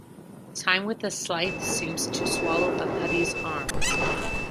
Time with a scythe seems to swallow a putti's arm.